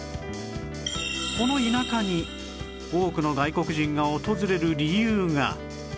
この田舎に多くの外国人が訪れる理由が